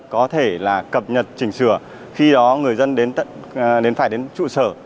có thể là cập nhật chỉnh sửa khi đó người dân phải đến trụ sở